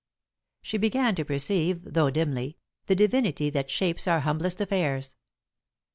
She began to perceive, though dimly, the divinity that shapes our humblest affairs.